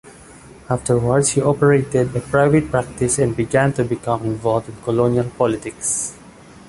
Afterwards he operated a private practice and began to become involved in colonial politics.